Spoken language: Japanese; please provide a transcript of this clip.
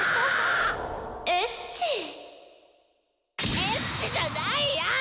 エッチじゃないやい！